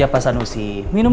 kamu bisa balik ke indonesia